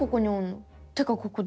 ってかここどこ？